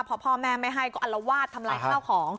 พอพ่อแม่ไม่ให้ก็อัลวาดทำลายข้าวของ